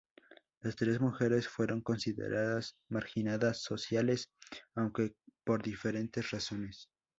Las tres mujeres fueron consideradas marginadas sociales, aunque por diferentes razones.